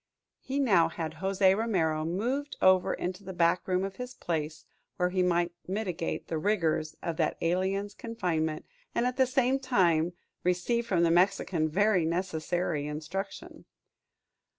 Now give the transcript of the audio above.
He now had José Romero moved over into the back room of his place, where he might mitigate the rigors of that alien's confinement, and at the same time receive from the Mexican very necessary instruction.